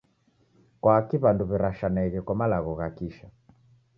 Kwaki w'andu w'irashaneghe kwa malagho gha kisha?